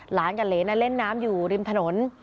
หลานกับเลน่าเล่นน้ำอยู่ริมถนน